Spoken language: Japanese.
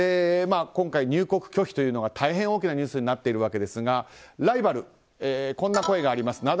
今回、入国拒否が大変大きなニュースになっていますがライバル、こんな声があります。